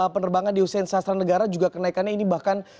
penerbangan di hussein sastra negara juga kenaikannya ini bahkan